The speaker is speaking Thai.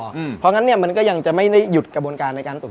เพราะฉะนั้นเนี่ยมันก็ยังจะไม่ได้หยุดกระบวนการในการตรวจ